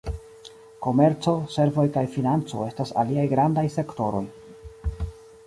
Komerco, servoj kaj financo estas aliaj grandaj sektoroj.